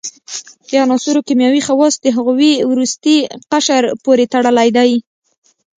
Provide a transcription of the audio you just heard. د عناصرو کیمیاوي خواص د هغوي وروستي قشر پورې تړلی دی.